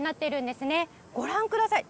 ご覧ください！